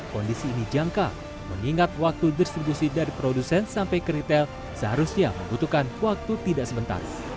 kondisi ini jangka mengingat waktu distribusi dari produsen sampai ke retail seharusnya membutuhkan waktu tidak sebentar